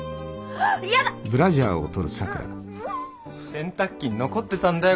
洗濯機に残ってたんだよ